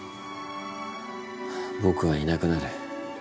ぼくはいなくなる。